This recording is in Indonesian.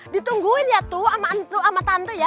ditungguin ya tuh emak entu sama tante ya